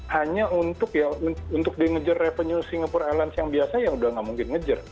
hanya untuk ya untuk di ngejar revenue singapore airlines yang biasa ya udah nggak mungkin ngejar